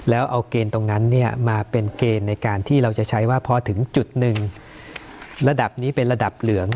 แล้วเอาเกณฑ์ตรงนั้นมาเป็นเกณฑ์ในการที่เราจะใช้ว่าพอถึงจุดหนึ่งระดับนี้เป็นระดับเหลือง